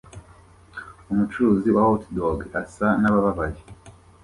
Umucuruzi wa hotdog asa nabababaye